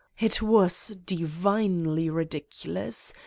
It was divinely ridiculous